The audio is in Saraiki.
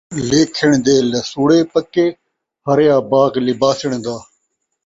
لیکھݨ دے لسوڑے پکے ، ہریا باغ لباسݨ دا